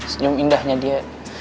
senyum indahnya dia